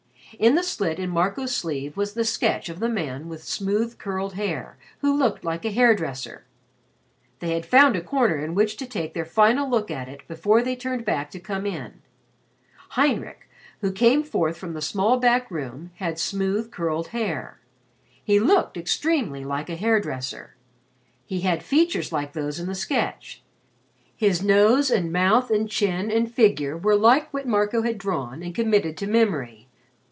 In the slit in Marco's sleeve was the sketch of the man with smooth curled hair, who looked like a hair dresser. They had found a corner in which to take their final look at it before they turned back to come in. Heinrich, who came forth from the small back room, had smooth curled hair. He looked extremely like a hair dresser. He had features like those in the sketch his nose and mouth and chin and figure were like what Marco had drawn and committed to memory.